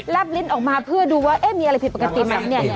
แร็บลิ้นออกมาเพื่อดูว่าเอ๊ะมีอะไรผิดปกติสักนี่